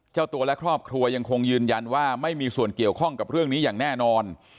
เจ้าตัวและครอบครัวยังคงยืนยันว่าไม่มีส่วนเกี่ยวข้องกับเรื่องนี้อย่างแน่นอน